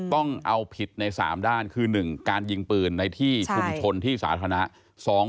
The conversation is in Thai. ต้องเอาผิดใน๓ด้านคือ๑การยิงปืนในที่ชุมชนที่สาธารณะ